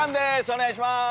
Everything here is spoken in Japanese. お願いします。